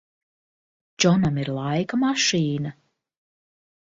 Džonam ir laika mašīna?